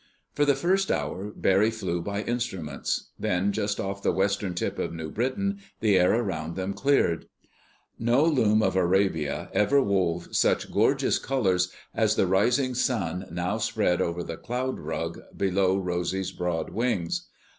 For the first hour Barry flew by instruments. Then, just off the western tip of New Britain, the air about them cleared. No loom of Arabia ever wove such gorgeous colors as the rising sun now spread over the cloud rug below Rosy's broad wings.